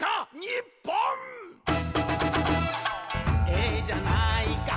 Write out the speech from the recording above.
「ええじゃないか」